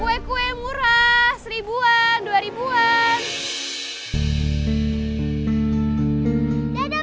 kue kue murah ribuan ribuan